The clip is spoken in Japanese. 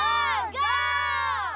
ゴー！